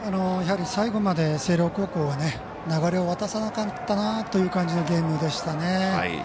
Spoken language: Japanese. やはり最後まで星稜高校が流れを渡さなかったなという感じのゲームでしたね。